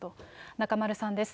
中丸さんです。